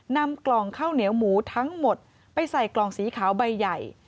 นำกล่องข้าวเหนียวหมูทั้งหมดไปใส่กล่องสีขาวใบใหญ่